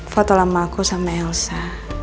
foto sama aku sama elsa